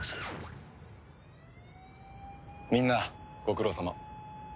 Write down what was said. みんなご苦労さま。